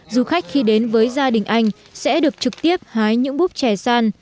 du khách khi đến với gia đình anh sẽ được trực tiếp hái những búp chè san